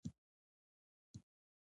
زاړه کسان د ژوند په اړه عاقلانه فکر لري